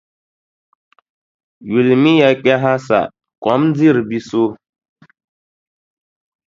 Yulimiya kpɛha sa, kom diri biʼ so.